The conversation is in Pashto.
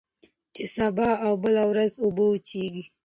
چي سبا او بله ورځ اوبه وچیږي